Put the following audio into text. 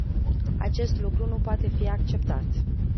Acest lucru nu poate fi acceptat.